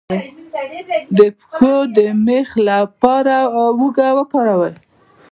د پښو د میخ لپاره هوږه وکاروئ